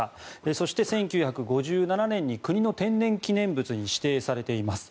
そして、１９５７年に国の天然記念物に指定されています。